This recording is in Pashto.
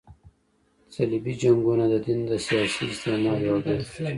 صليبي جنګونه د دین د سیاسی استعمال یوه بیلګه ده.